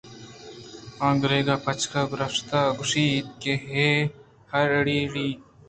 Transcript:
آ (گُرک) بچکّ ءِ کرّا شُت ءُ گوٛشت ئے ہَرّ ڑی ڑَہی